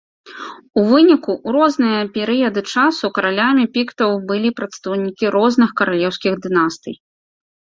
У выніку, у розныя перыяды часу каралямі піктаў былі прадстаўнікі розных каралеўскіх дынастый.